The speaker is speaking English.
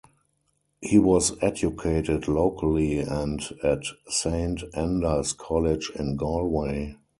He was educated locally and at Saint Enda's College in Galway.